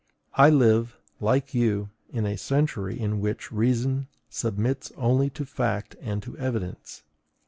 I live, like you, in a century in which reason submits only to fact and to evidence.